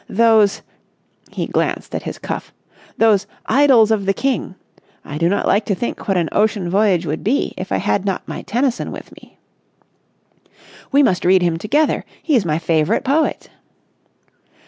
"Those——" he glanced at his cuff—"those 'Idylls of the King!' I do not like to think what an ocean voyage would be if I had not my Tennyson with me." "We must read him together. He is my favourite poet!"